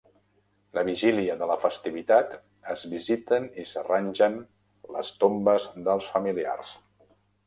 La vigília de la festivitat es visiten i s'arrangen les tombes dels familiars.